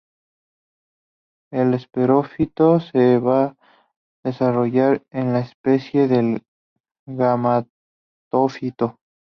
El esporófito se va a desarrollar en el ápice del gametófito.